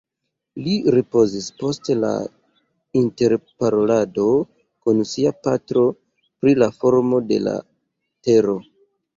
Li ripozis post la interparolado kun sia patro pri la formo de l' tero